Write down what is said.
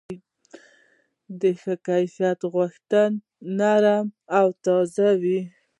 د ښه کیفیت غوښه نرم او تازه وي.